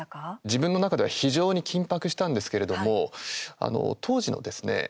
自分の中では非常に緊迫したんですけれども当時のですね